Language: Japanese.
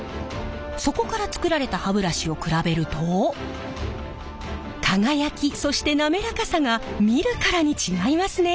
そこから作られた歯ブラシを比べると輝きそして滑らかさが見るからに違いますね。